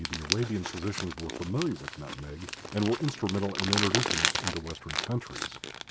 the Arabian physicians were familiar with nutmeg and were instrumental in introducing it into western countries.